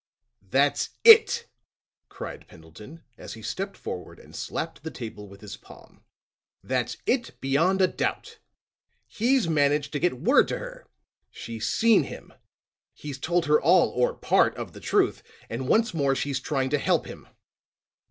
"That's it," cried Pendleton, as he stepped forward and slapped the table with his palm; "that's it, beyond a doubt! He's managed to get word to her; she's seen him; he's told her all or part of the truth; and once more she's trying to help him.